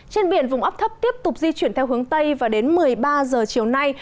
trên biển vùng áp thấp tiếp tục di chuyển theo hướng tây và đến một mươi ba giờ chiều nay